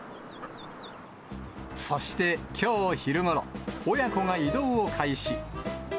そして、きょう昼ごろ、親子が移動を開始。